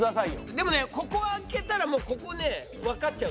でもねここを開けたらもうここねわかっちゃう。